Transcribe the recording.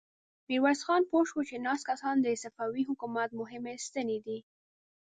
ميرويس خان پوه شو چې ناست کسان د صفوي حکومت مهمې ستنې دي.